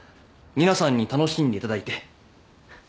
皆さんに楽しんでいただいてふっ。